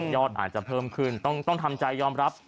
อาจจะเพิ่มขึ้นต้องทำใจยอมรับ